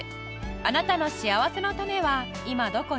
あなたのしあわせのたねは今どこに？